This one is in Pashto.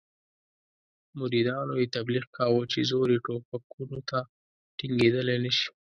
مریدانو یې تبلیغ کاوه چې زور یې ټوپکونو ته ټینګېدلای نه شي.